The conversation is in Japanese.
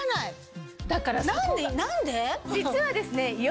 実はですねＩＯ